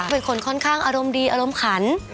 เป็นคนค่อนข้างอารมณ์ดีอารมณ์ขัน